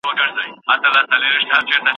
دواړي تلي مي سوځیږي په غرمو ولاړه یمه